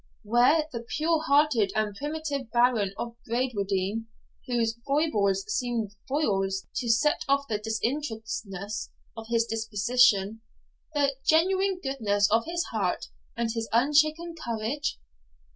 Where the pure hearted and primitive Baron of Bradwardine, whose foibles seemed foils to set off the disinterestedness of his disposition, the genuine goodness of his heart, and his unshaken courage?